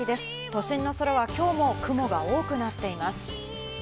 都心の空は今日も雲が多くなっています。